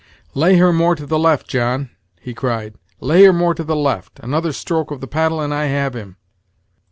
"Lay her more to the left, John," he cried, "lay her more to the left; another stroke of the paddle and I have him."